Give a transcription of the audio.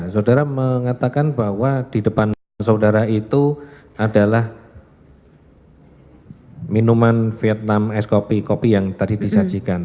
saudara mengatakan bahwa di depan saudara itu adalah minuman vietnam es kopi kopi yang tadi disajikan